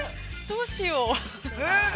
◆どうしよう。